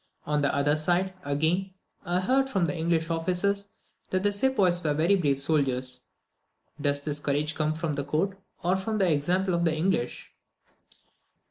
On the other side, again, I heard from the English officers that the sepoys were very brave soldiers. Does this courage come with the coat, or from the example of the English?